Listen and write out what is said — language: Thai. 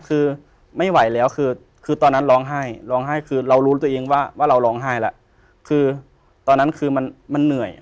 คือตอนนั้นคือมันเหนื่อย